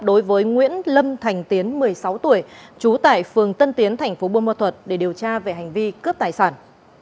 đối với nguyễn lâm thành tiến một mươi sáu tuổi chú tại phường tân tiến thành phố buôn ma thuật để điều tra về hành vi cướp tài sản